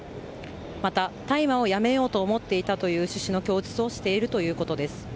また、大麻をやめようと思っていたという趣旨の供述をしているということです。